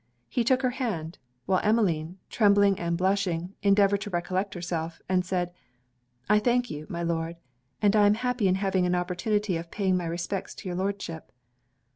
He took her hand; while Emmeline, trembling and blushing, endeavoured to recollect herself, and said 'I thank you, my Lord, and I am happy in having an opportunity of paying my respects to your Lordship.'